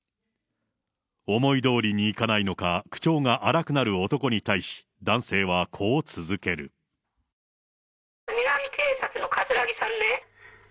思いどおりにいかないからか、口調が荒くなる男に対し、男性は南警察のカツラギさんね？